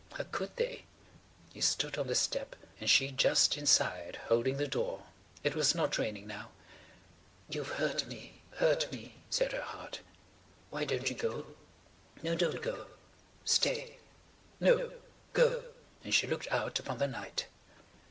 How could they? He stood on the step and she just inside holding the door. It was not raining now. "You've hurt me–hurt me," said her heart. "Why don't you go? No, don't go. Stay. No–go!" And she looked out upon the night.